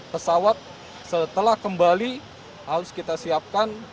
pesawat setelah kembali harus kita siapkan